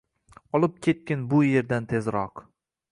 Olib ketgin bu yerdan tezroq.